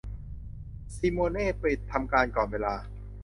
ซิโมเน่ปิดทำการก่อนเวลา